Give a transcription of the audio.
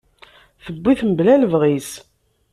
Tuwi-t mebla lebɣi-s.